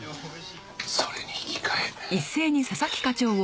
それにひきかえ。